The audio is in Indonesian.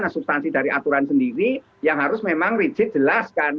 nah substansi dari aturan sendiri yang harus memang rigid jelas kan